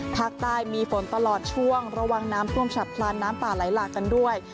ภาคใต้มีฝนตลอดช่วงระวังน้ำท่วมฉับพลันน้ำป่าไหลหลากกันด้วย